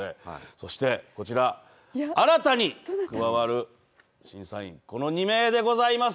そして、こちら、新たに加わる審査員、この２名でございます。